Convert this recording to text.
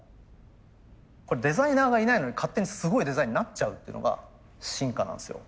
これデザイナーがいないのに勝手にすごいデザインになっちゃうっていうのが進化なんですよ。